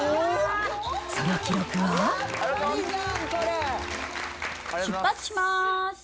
その記録は。出発します。